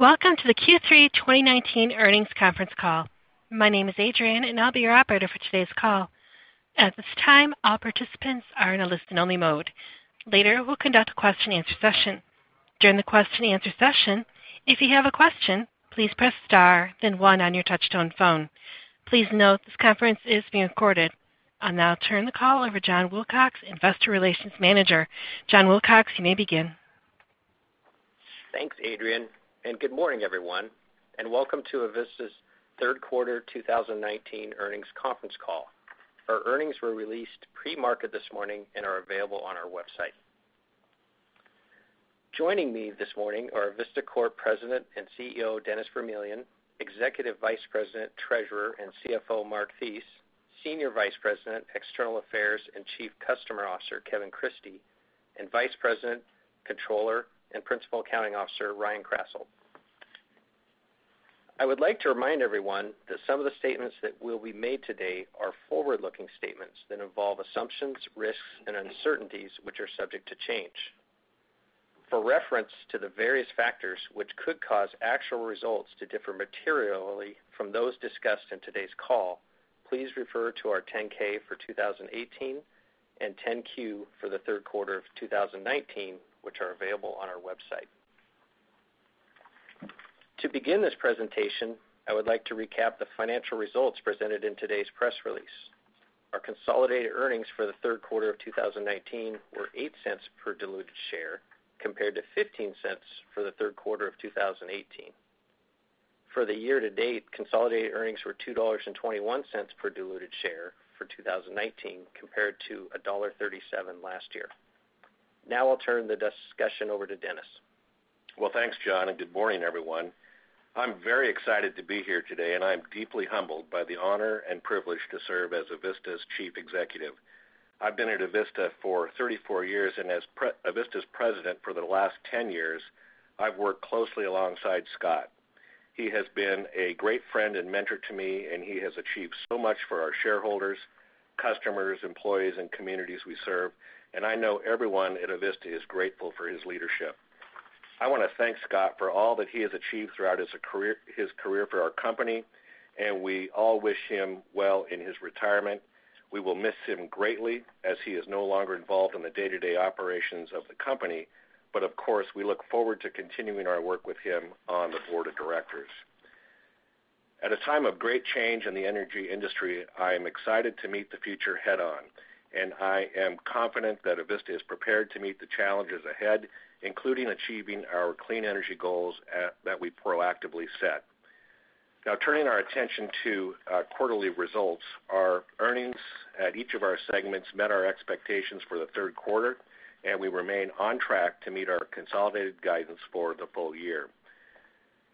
Welcome to the Q3 2019 Earnings Conference Call. My name is Adrian, and I'll be your operator for today's call. At this time, all participants are in a listen-only mode. Later, we'll conduct a question-and-answer session. During the question-and-answer session, if you have a question, please press star then one on your touch-tone phone. Please note this conference is being recorded. I'll now turn the call over John Wilcox, investor relations manager. John Wilcox, you may begin. Thanks, Adrian, good morning, everyone, and welcome to Avista's third quarter 2019 earnings conference call. Our earnings were released pre-market this morning and are available on our website. Joining me this morning are Avista Corp President and CEO, Dennis Vermillion, Executive Vice President, Treasurer, and CFO, Mark Thies, Senior Vice President, External Affairs, and Chief Customer Officer, Kevin Christie, and Vice President, Controller, and Principal Accounting Officer, Ryan Krasselt. I would like to remind everyone that some of the statements that will be made today are forward-looking statements that involve assumptions, risks, and uncertainties which are subject to change. For reference to the various factors which could cause actual results to differ materially from those discussed in today's call, please refer to our 10-K for 2018 and 10-Q for the third quarter of 2019, which are available on our website. To begin this presentation, I would like to recap the financial results presented in today's press release. Our consolidated earnings for the third quarter of 2019 were $0.08 per diluted share, compared to $0.15 for the third quarter of 2018. For the year to date, consolidated earnings were $2.21 per diluted share for 2019, compared to $1.37 last year. I'll turn the discussion over to Dennis. Well, thanks, John, and good morning, everyone. I'm very excited to be here today, and I'm deeply humbled by the honor and privilege to serve as Avista's chief executive. I've been at Avista for 34 years, and as Avista's President for the last 10 years, I've worked closely alongside Scott. He has been a great friend and mentor to me, and he has achieved so much for our shareholders, customers, employees, and communities we serve, and I know everyone at Avista is grateful for his leadership. I want to thank Scott for all that he has achieved throughout his career for our company, and we all wish him well in his retirement. We will miss him greatly as he is no longer involved in the day-to-day operations of the company. Of course, we look forward to continuing our work with him on the board of directors. At a time of great change in the energy industry, I am excited to meet the future head-on. I am confident that Avista is prepared to meet the challenges ahead, including achieving our clean energy goals that we proactively set. Turning our attention to quarterly results. Our earnings at each of our segments met our expectations for the third quarter. We remain on track to meet our consolidated guidance for the full year.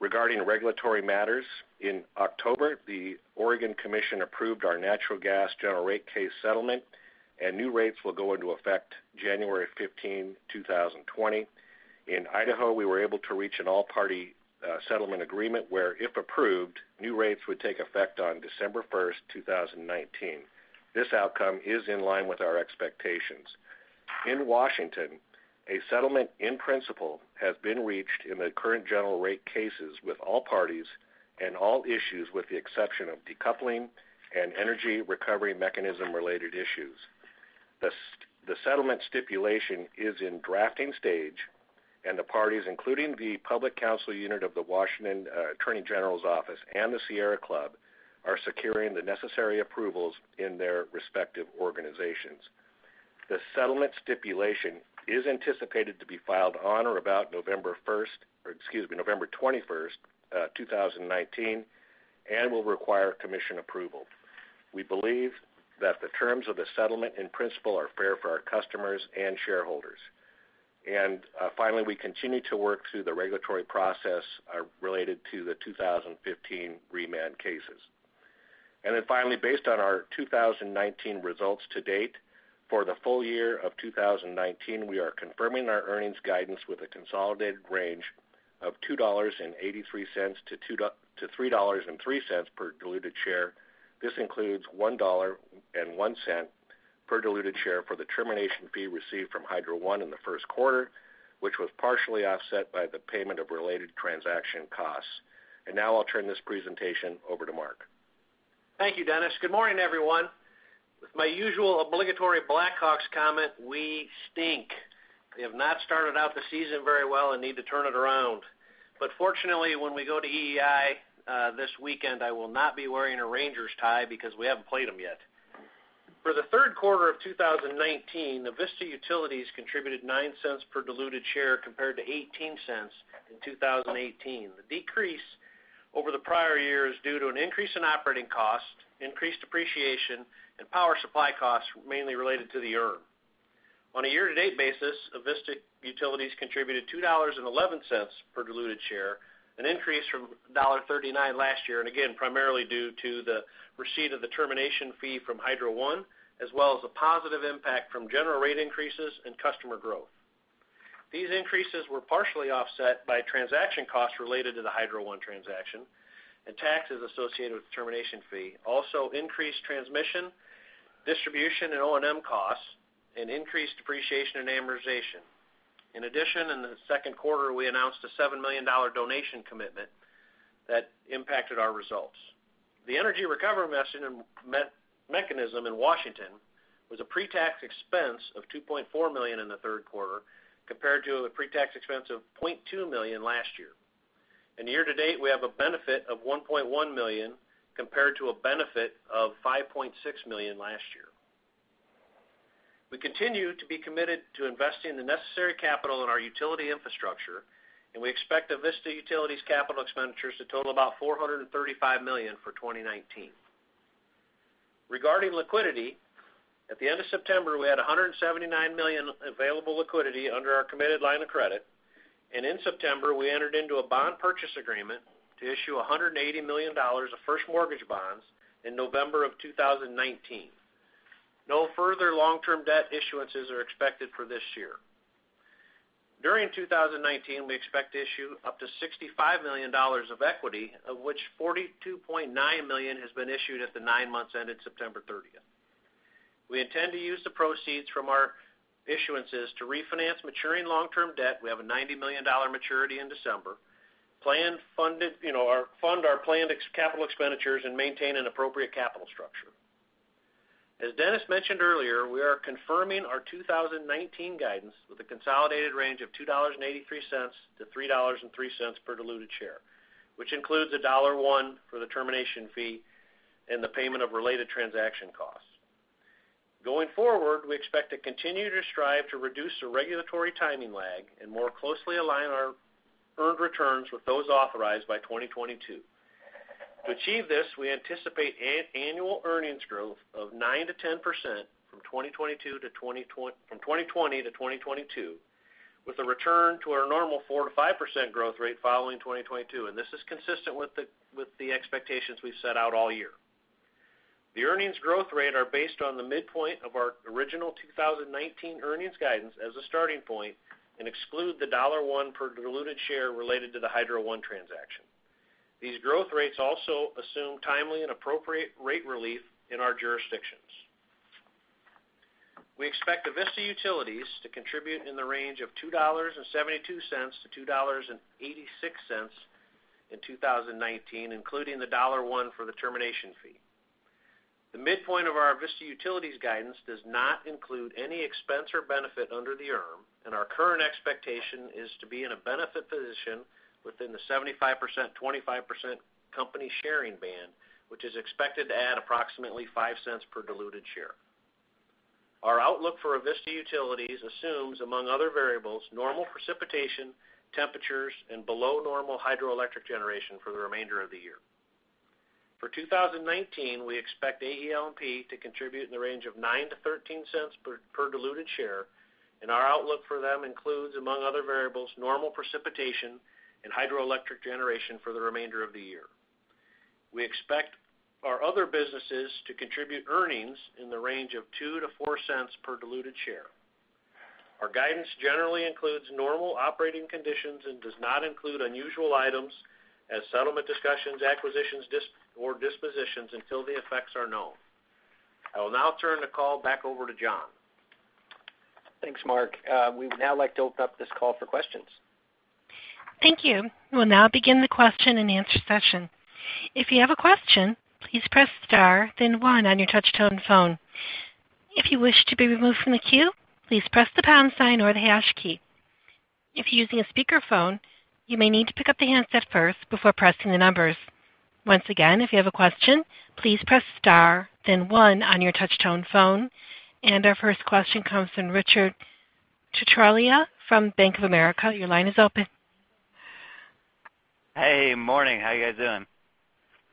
Regarding regulatory matters, in October, the Oregon Commission approved our natural gas general rate case settlement. New rates will go into effect January 15, 2020. In Idaho, we were able to reach an all-party settlement agreement where, if approved, new rates would take effect on December 1st, 2019. This outcome is in line with our expectations. In Washington, a settlement in principle has been reached in the current general rate cases with all parties and all issues with the exception of decoupling and energy recovery mechanism-related issues. The settlement stipulation is in drafting stage, and the parties, including the Public Counsel Unit of the Washington Attorney General's Office and the Sierra Club, are securing the necessary approvals in their respective organizations. The settlement stipulation is anticipated to be filed on or about November 1st, or excuse me, November 21st, 2019, and will require commission approval. We believe that the terms of the settlement, in principle, are fair for our customers and shareholders. Finally, we continue to work through the regulatory process related to the 2015 remand cases. Finally, based on our 2019 results to date, for the full year of 2019, we are confirming our earnings guidance with a consolidated range of $2.83-$3.03 per diluted share. This includes $1.01 per diluted share for the termination fee received from Hydro One in the first quarter, which was partially offset by the payment of related transaction costs. Now I'll turn this presentation over to Mark. Thank you, Dennis. Good morning, everyone. With my usual obligatory Blackhawks comment, we stink. We have not started out the season very well and need to turn it around. Fortunately, when we go to EEI this weekend, I will not be wearing a Rangers tie because we haven't played them yet. For the third quarter of 2019, Avista Utilities contributed $0.09 per diluted share compared to $0.18 in 2018. The decrease over the prior year is due to an increase in operating costs, increased depreciation, and power supply costs mainly related to the ERM. On a year-to-date basis, Avista Utilities contributed $2.11 per diluted share, an increase from $1.39 last year, and again, primarily due to the receipt of the termination fee from Hydro One, as well as the positive impact from general rate increases and customer growth. These increases were partially offset by transaction costs related to the Hydro One transaction and taxes associated with the termination fee. increased transmission and distribution and O&M costs, and increased depreciation and amortization. In addition, in the second quarter, we announced a $7 million donation commitment that impacted our results. The energy recovery mechanism in Washington was a pre-tax expense of $2.4 million in the third quarter, compared to a pre-tax expense of $0.2 million last year. Year-to-date, we have a benefit of $1.1 million compared to a benefit of $5.6 million last year. We continue to be committed to investing the necessary capital in our utility infrastructure, and we expect Avista Utilities' capital expenditures to total about $435 million for 2019. Regarding liquidity, at the end of September, we had $179 million available liquidity under our committed line of credit, and in September, we entered into a bond purchase agreement to issue $180 million of first mortgage bonds in November of 2019. No further long-term debt issuances are expected for this year. During 2019, we expect to issue up to $65 million of equity, of which $42.9 million has been issued at the nine months ended September 30th. We intend to use the proceeds from our issuances to refinance maturing long-term debt. We have a $90 million maturity in December, fund our planned capital expenditures, and maintain an appropriate capital structure. As Dennis mentioned earlier, we are confirming our 2019 guidance with a consolidated range of $2.83-$3.03 per diluted share, which includes a $1 for the termination fee and the payment of related transaction costs. Going forward, we expect to continue to strive to reduce the regulatory timing lag and more closely align our earned returns with those authorized by 2022. To achieve this, we anticipate annual earnings growth of 9%-10% from 2020 to 2022, with a return to our normal 4%-5% growth rate following 2022. This is consistent with the expectations we've set out all year. The earnings growth rate are based on the midpoint of our original 2019 earnings guidance as a starting point and exclude the $1 per diluted share related to the Hydro One transaction. These growth rates also assume timely and appropriate rate relief in our jurisdictions. We expect Avista Utilities to contribute in the range of $2.72-$2.86 in 2019, including the $1 for the termination fee. The midpoint of our Avista Utilities guidance does not include any expense or benefit under the ERM, and our current expectation is to be in a benefit position within the 75%/25% company sharing band, which is expected to add approximately $0.05 per diluted share. Our outlook for Avista Utilities assumes, among other variables, normal precipitation, temperatures, and below-normal hydroelectric generation for the remainder of the year. For 2019, we expect AEL&P to contribute in the range of $0.09-$0.13 per diluted share, and our outlook for them includes, among other variables, normal precipitation and hydroelectric generation for the remainder of the year. We expect our other businesses to contribute earnings in the range of $0.02-$0.04 per diluted share. Our guidance generally includes normal operating conditions and does not include unusual items as settlement discussions, acquisitions, or dispositions until the effects are known. I will now turn the call back over to John. Thanks, Mark. We would now like to open up this call for questions. Thank you. We'll now begin the question-and-answer session. If you have a question, please press star then one on your touch-tone phone. If you wish to be removed from the queue, please press the pound sign or the hash key. If you're using a speakerphone, you may need to pick up the handset first before pressing the numbers. Once again, if you have a question, please press star then one on your touch-tone phone. Our first question comes from Richard Ciciarelli from Bank of America. Your line is open. Hey. Morning. How you guys doing?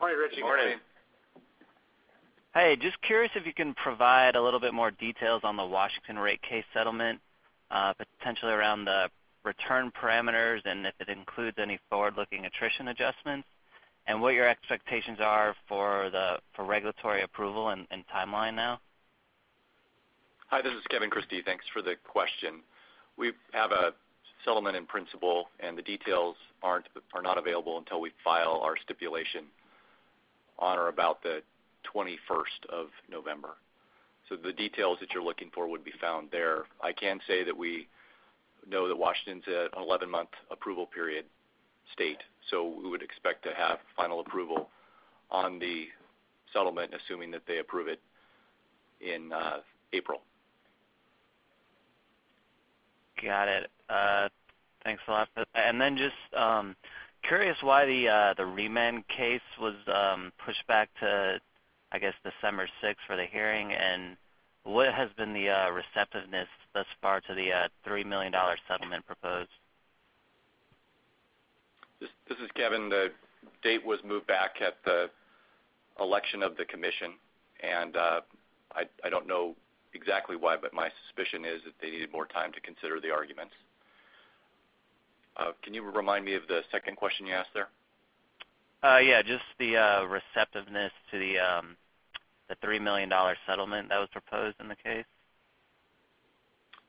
Morning, Richard. Morning. Hey, just curious if you can provide a little bit more details on the Washington rate case settlement, potentially around the return parameters and if it includes any forward-looking attrition adjustments, and what your expectations are for regulatory approval and timeline now. Hi, this is Kevin Christie. Thanks for the question. We have a settlement in principle. The details are not available until we file our stipulation on or about the 21st of November. The details that you're looking for would be found there. I can say that we know that Washington's an 11-month approval period state. We would expect to have final approval on the settlement, assuming that they approve it in April. Got it. Thanks a lot. Just curious why the remand case was pushed back to, I guess, December 6 for the hearing, and what has been the receptiveness thus far to the $3 million settlement proposed? This is Kevin. The date was moved back at the election of the commission, and I don't know exactly why, but my suspicion is that they needed more time to consider the arguments. Can you remind me of the second question you asked there? Yeah, just the receptiveness to the $3 million settlement that was proposed in the case.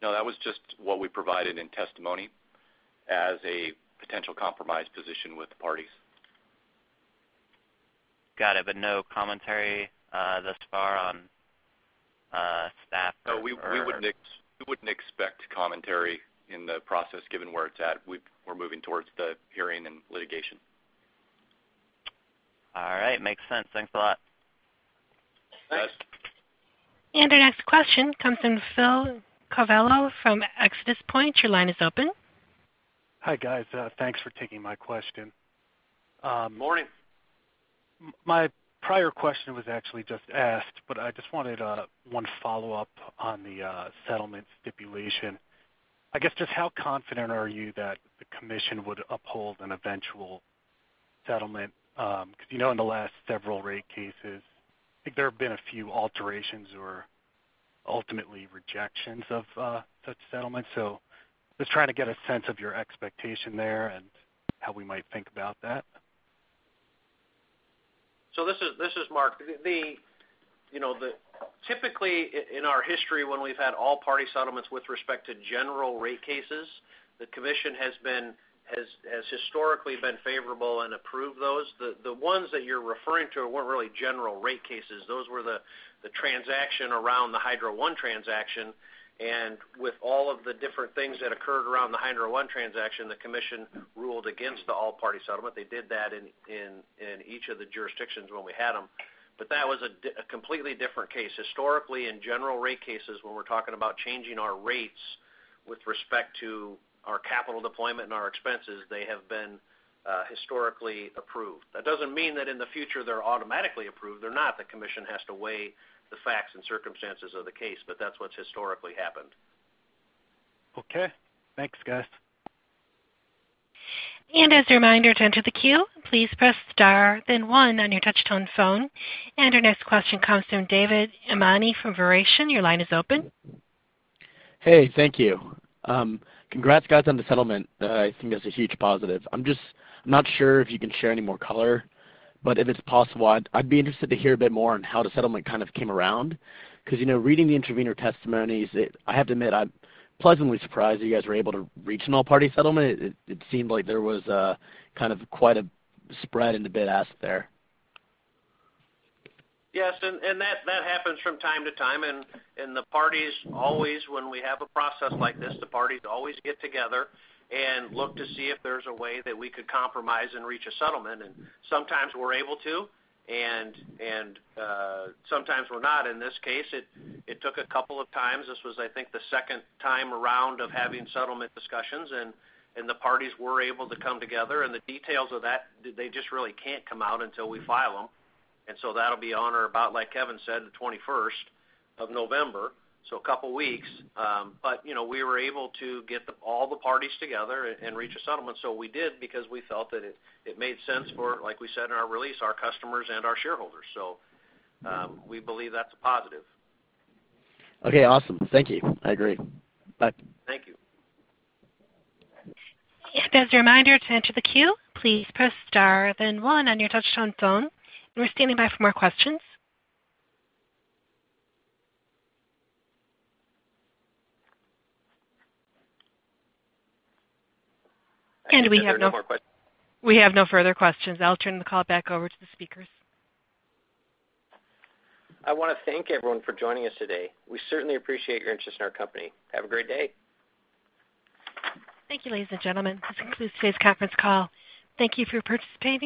No, that was just what we provided in testimony as a potential compromise position with the parties. Got it. No commentary thus far on staff. No, we wouldn't expect commentary in the process given where it's at. We're moving towards the hearing and litigation. All right. Makes sense. Thanks a lot. Thanks. Our next question comes from Phil Cavallo from ExodusPoint. Your line is open. Hi, guys. Thanks for taking my question. Morning. My prior question was actually just asked, but I just wanted one follow-up on the settlement stipulation. I guess just how confident are you that the commission would uphold an eventual settlement? Because in the last several rate cases, I think there have been a few alterations or ultimately rejections of such settlements. Just trying to get a sense of your expectation there and how we might think about that. This is Mark. Typically, in our history when we've had all-party settlements with respect to general rate cases, the commission has historically been favorable and approved those. The ones that you're referring to weren't really general rate cases. Those were the transaction around the Hydro One transaction, and with all of the different things that occurred around the Hydro One transaction, the commission ruled against the all-party settlement. They did that in each of the jurisdictions when we had them. That was a completely different case. Historically, in general rate cases, when we're talking about changing our rates with respect to our capital deployment and our expenses, they have been historically approved. That doesn't mean that in the future they're automatically approved. They're not. The commission has to weigh the facts and circumstances of the case, but that's what's historically happened. Okay. Thanks, guys. As a reminder to enter the queue, please press star then one on your touch-tone phone. Our next question comes from David Emami from Verition. Your line is open. Hey, thank you. Congrats guys on the settlement. I think that's a huge positive. I'm just not sure if you can share any more color, but if it's possible, I'd be interested to hear a bit more on how the settlement kind of came around. Because reading the intervener testimonies, I have to admit, I'm pleasantly surprised you guys were able to reach an all-party settlement. It seemed like there was kind of quite a spread in the bid ask there. Yes, that happens from time to time, and the parties always, when we have a process like this, the parties always get together and look to see if there's a way that we could compromise and reach a settlement, and sometimes we're able to, and sometimes we're not. In this case, it took a couple of times. This was, I think, the second time around of having settlement discussions, and the parties were able to come together. The details of that, they just really can't come out until we file them. That'll be on or about, like Kevin said, the 21st of November, so a couple of weeks. We were able to get all the parties together and reach a settlement, so we did because we felt that it made sense for, like we said in our release, our customers and our shareholders. We believe that's a positive. Okay, awesome. Thank you. I agree. Bye. Thank you. As a reminder to enter the queue, please press star then one on your touch-tone phone. We're standing by for more questions. We have no- I think that there are no more questions. We have no further questions. I'll turn the call back over to the speakers. I want to thank everyone for joining us today. We certainly appreciate your interest in our company. Have a great day. Thank you, ladies and gentlemen. This concludes today's conference call. Thank you for participating.